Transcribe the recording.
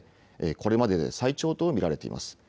これまでで最長と見られています。